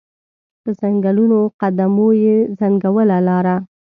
په ځنګولو قدمو یې ځنګوله لاره